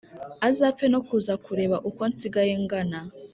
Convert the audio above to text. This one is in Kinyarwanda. Azapfe no kuza kureba uko nsigaye ngana